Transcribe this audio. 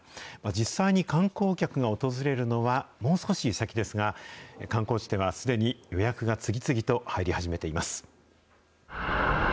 実際に観光客が訪れるのはもう少し先ですが、観光地ではすでに予約が次々と入り始めています。